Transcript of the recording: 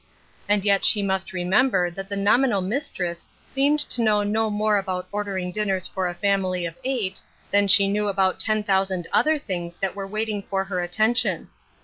And yet she must remember that the nominal mistress seemed to know no more about ordering dinners for a family of eight than she knew about ten thousand other things that were wait ing for her attention.